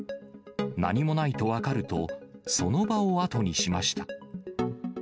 何もないと分かると、その場を後にしました。